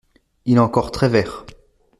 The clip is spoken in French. Il est encore très vert…